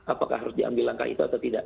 apakah harus diambil langkah itu atau tidak